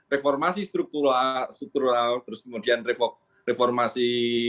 reformasi struktural terus kemudian reformasi